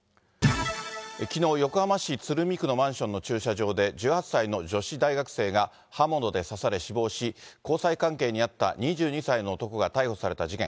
きのう、横浜市鶴見区のマンションの駐車場で、１８歳の女子大学生が刃物で刺され死亡し、交際関係にあった２２歳の男が逮捕された事件。